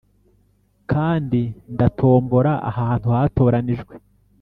kandi ndatombora ahantu hatoranijwe,